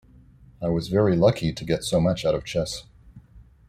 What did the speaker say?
I was very lucky to get so much out of chess.